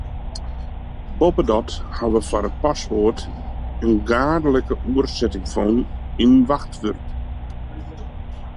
Boppedat ha we foar password in gaadlike oersetting fûn yn wachtwurd.